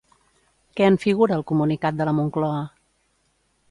Què en figura al comunicat de la Moncloa?